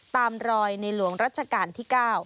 ตามรอยในหลวงรัชกาลที่๙